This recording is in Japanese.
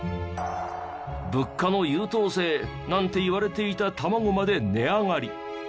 物価の優等生なんていわれていた卵まで値上がり。